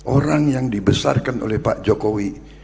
orang yang dibesarkan oleh pak jokowi